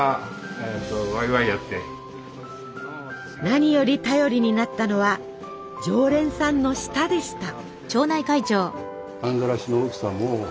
何より頼りになったのは常連さんの舌でした。